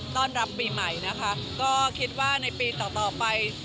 ต้อนรับปีใหม่นะคะก็คิดว่าในปีต่อต่อไป